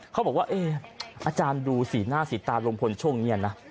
เขาบอกว่าอาจารย์ดูสีหน้าสีตาลุงพลช่วงนี้นะ